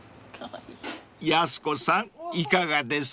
［やす子さんいかがです？］